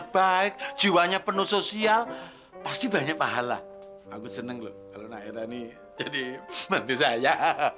baik jiwanya penuh sosial pasti banyak pahala aku seneng loh kalau daerah ini jadi menteri saya